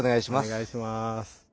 お願いします。